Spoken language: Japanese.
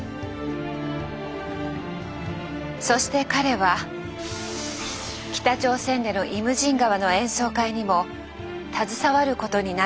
そして彼は北朝鮮での「イムジン河」の演奏会にも携わることになるのです。